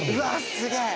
すげえ。